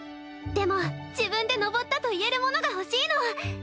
でも自分で登ったと言えるものが欲しいの。